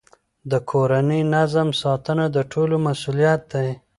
د کورني نظم ساتنه د ټولو مسئولیت دی.